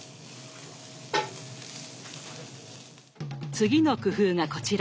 次の工夫がこちら。